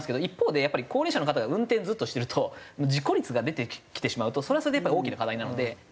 一方でやっぱり高齢者の方が運転ずっとしてると事故率が出てきてしまうとそれはそれで大きな課題なので。